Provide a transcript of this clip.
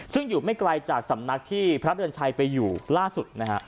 ซึ่งอยู่ไม่ไกลจากสำนักที่พระเดือนชัยไปอยู่ล่าสุดนะฮะ